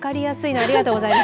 ありがとうございます。